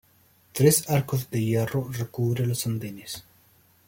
Tres arcos de hierro recubren los andenes.